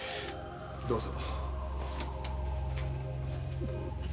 どうぞ。